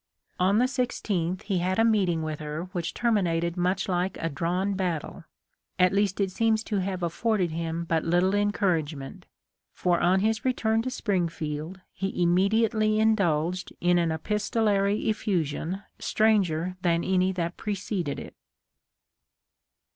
On the i6th he had a meeting with her which terminated much like a drawn battle — at least it seems to have afforded him but little encouragement, for on his return to Springfield he immediately indulged in an epistolary effusion stranger than any that preceded it.